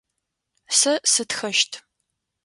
Сэ сытхэщт.